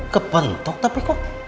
kepentok tapi kok